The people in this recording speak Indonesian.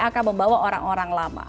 akan membawa orang orang lama